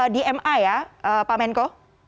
di ma ya pak menko